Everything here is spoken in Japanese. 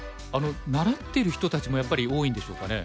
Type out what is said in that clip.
習ってる人たちもやっぱり多いんでしょうかね。